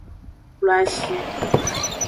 Kloashi.